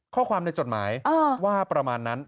ข้อความในจดหมายว่าประมาณนั้น